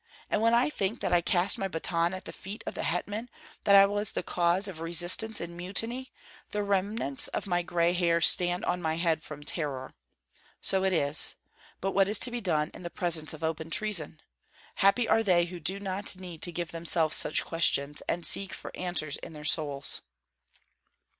And when I think that I cast my baton at the feet of the hetman, that I was the cause of resistance and mutiny, the remnants of my gray hair stand on my head from terror. So it is! But what is to be done in presence of open treason? Happy are they who do not need to give themselves such questions, and seek for answers in their souls."